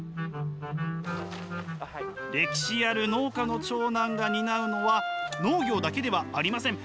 歴史ある農家の長男が担うのは農業だけではありません。